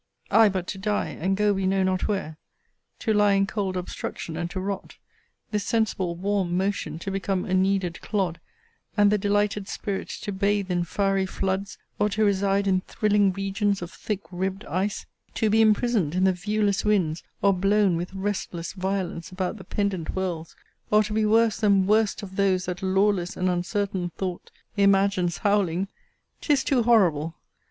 Ay, but to die, and go we know not where; To lie in cold obstruction, and to rot; This sensible, warm motion to become A kneaded clod; and the delighted spirit To bathe in fiery floods, or to reside In thrilling regions of thick ribbed ice: To be imprison'd in the viewless winds, Or blown, with restless violence, about The pendant worlds; or to be worse than worst Of those that lawless and uncertain thought Imagines howling: 'tis too horrible!